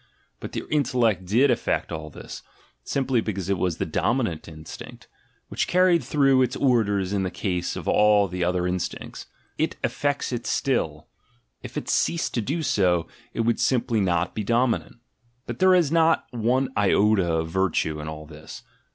But their intellect did no THE GENEALOGY OF MORALS effect all this, simply because it was the dominant instinct, which carried through its orders in the case of all the other instincts. It effects it still: if it ceased to do so, it ■would simply not be dominant. But there is not one iota of "virtue" in all this.